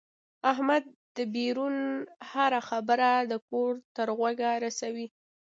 احمد دبیرون هره خبره د کور تر غوږه رسوي.